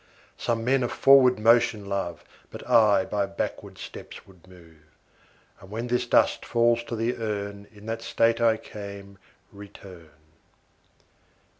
Some men a forward motion love, But I by backward steps would move, And when this dust falls to the urn In that state I came return.